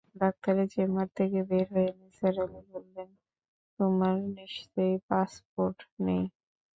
ডাক্তারের চেষার থেকে বের হয়ে নিসার আলি বললেন, তোমার নিশ্চয়ই পাসপোর্ট নেই।